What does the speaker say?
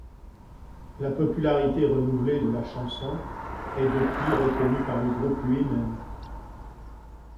La popularité renouvelée de la chanson est depuis reconnue par le groupe lui-même.